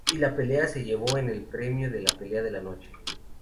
Y la pelea se llevó el premio de "Pelea de la Noche".